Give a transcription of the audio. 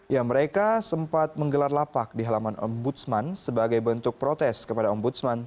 ya mereka sempat menggelar lapak di halaman ombudsman sebagai bentuk protes kepada ombudsman